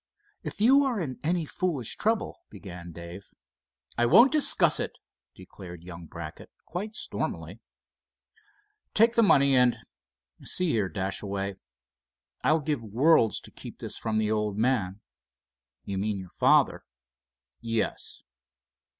"If you are in any foolish trouble——" began Dave. "I won't discuss it," declared young Brackett, quite stormily. "Take the money, and—see here, Dashaway, I'll give worlds to keep this from the old man." "You mean your father?" "Yes."